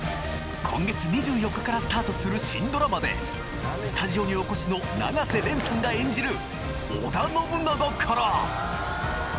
今月２４日からスタートする新ドラマでスタジオにお越しの永瀬廉さんが演じる